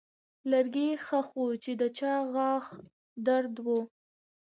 لرګی ښخ و چې د چا غاښ درد و.